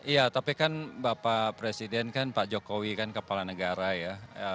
ya tapi kan bapak presiden kan pak jokowi kan kepala negara ya